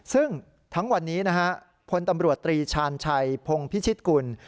ซึ่งทั้งวันนี้นะฮะพลตำรวจตรีชาญชัยพงพิชิตกุล